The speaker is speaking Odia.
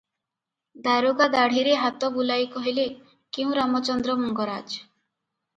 ଦାରୋଗା ଦାଢ଼ିରେ ହାତ ବୁଲାଇ କହିଲେ, "କେଉଁ ରାମଚନ୍ଦ୍ର ମଙ୍ଗରାଜ!